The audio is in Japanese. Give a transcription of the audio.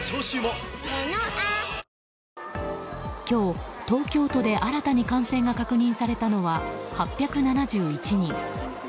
今日、東京都で新たに感染が確認されたのは８７１人。